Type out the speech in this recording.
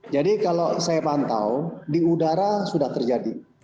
jadi kalau saya pantau di udara sudah terjadi